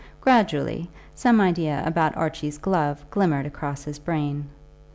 Gradually some idea about Archie's glove glimmered across his brain.